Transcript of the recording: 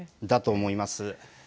だと思います。